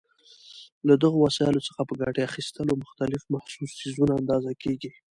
له دغو وسایلو څخه په ګټې اخیستلو مختلف محسوس څیزونه اندازه کېږي.